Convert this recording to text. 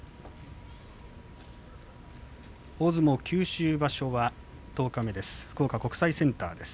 大相撲九州場所は十日目です。